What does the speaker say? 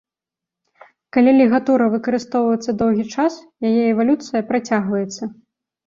Калі лігатура выкарыстоўваецца доўгі час, яе эвалюцыя працягваецца.